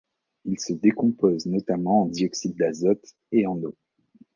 Il se décompose notamment en dioxyde d'azote et en eau.